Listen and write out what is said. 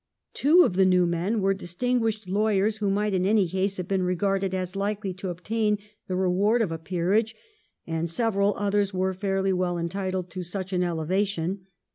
Two of the new men were distinguished lawyers who might in any case have been regarded as likely to obtain the reward of a peerage, and several others were fairly well entitled to such an elevation.